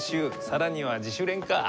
さらには自主練か。